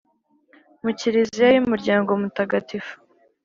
muri kiriziya y'umuryango mutagatifu